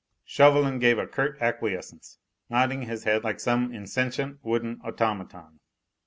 Chauvelin gave a curt acquiescence, nodding his head like some insentient wooden automaton.